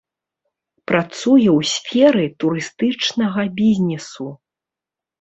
Працуе ў сферы турыстычнага бізнесу.